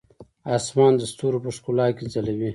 اسمان د ستورو په ښکلا کې ځلوي.